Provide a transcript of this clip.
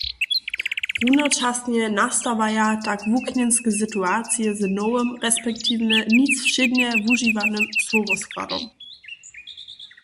Runočasnje nastawaja tak wuknjenske situacije z nowym resp. nic wšědnje wužiwanym słowoskładom.